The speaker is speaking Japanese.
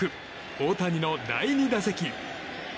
大谷の第２打席。